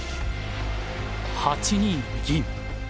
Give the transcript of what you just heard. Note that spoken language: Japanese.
８二銀。